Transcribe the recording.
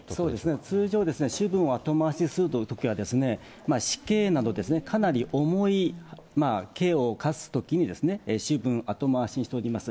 通常、主文後回しするときは、死刑など、かなり重い刑を科すときにですね、主文後回しにしております。